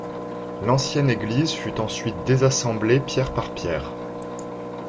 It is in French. L'ancienne église fut ensuite désassemblée pierre par pierre.